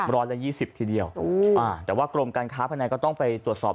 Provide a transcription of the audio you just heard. ร้อยละยี่สิบทีเดียวแต่ว่ากรมการค้าภายในก็ต้องไปตรวจสอบ